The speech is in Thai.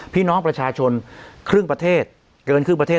พี่น้องประชาชนครึ่งประเทศเกินครึ่งประเทศ